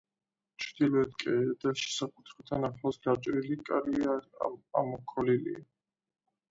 ჩრდილოეთ კედელში, საკურთხეველთან ახლოს გაჭრილი კარი ამოქოლილია.